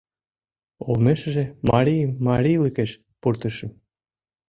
Олмешыже марийым марийлыкеш пуртышым.